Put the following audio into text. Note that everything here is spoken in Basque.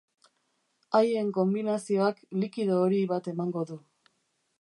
Haien konbinazioak likido hori bat emango du.